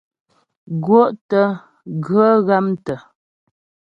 Gó'tə̂ ghə ghámtə́.